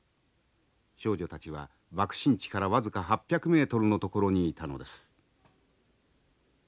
少女たちは爆心地から僅か８００メートルの所にいたのです。